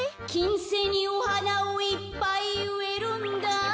「きんせいにおはなをいっぱいうえるんだあ